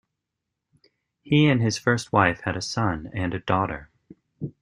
He and his first wife had a son and a daughter.